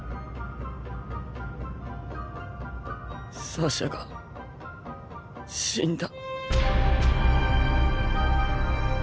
サシャが死んだ。